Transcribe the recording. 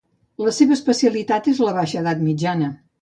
La seva especialitat és la Baixa edat mitjana.